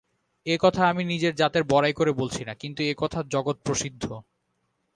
এ-কথা আমি নিজের জাতের বড়াই করে বলছি না, কিন্তু এ-কথা জগৎপ্রসিদ্ধ।